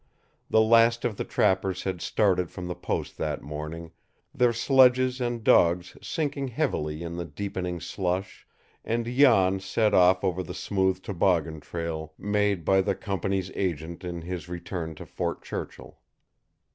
The last of the trappers had started from the post that morning, their sledges and dogs sinking heavily in the deepening slush; and Jan set off over the smooth toboggan trail made by the company's agent in his return to Fort Churchill.